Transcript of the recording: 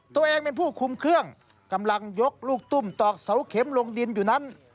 ตัวเองเป็นผู้คุมเครื่องกำลังยกลูกตุ้มตอกเสาเข็มลงดินอยู่นั้น